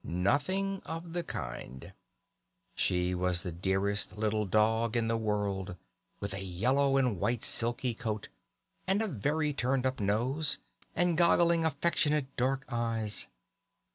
Nothing of the kind. She was the dearest little dog in the world, with a yellow and white silky coat, and a very turned up nose, and goggling, affectionate dark eyes.